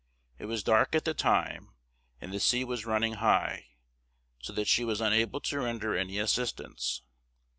It was dark at the time, and the sea was running high, so that she was unable to render any assistance.